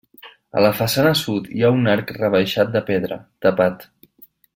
A la façana sud hi ha un arc rebaixat de pedra, tapat.